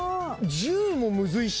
１０もむずいし。